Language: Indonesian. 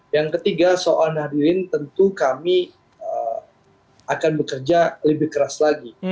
yang ketiga soal nahdirin tentu kami akan bekerja lebih keras lagi